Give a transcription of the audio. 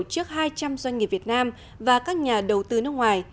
trước hai trăm linh doanh nghiệp việt nam và các nhà đầu tư nước ngoài